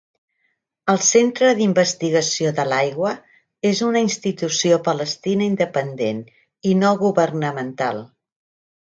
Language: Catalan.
El centre d'investigació de l'aigua és una institució palestina independent i no governamental.